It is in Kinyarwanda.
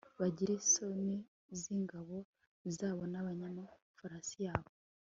bagire isoni z'ingabo zabo n'abanyamafarasi babo